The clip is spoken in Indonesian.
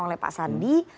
oleh pak sandi